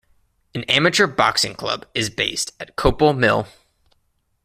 An amateur boxing club is based at Coppull Mill.